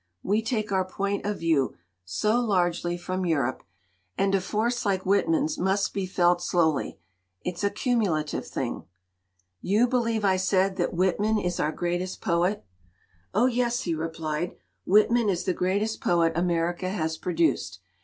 We take our point of view so largely from Europe. And a force like Whitman's must be felt slowly; it's a cumulative thing." "You believe," I said, "that Whitman is our greatest poet?" "Oh yes," he replied, "Whitman is the greatest poet America has produced.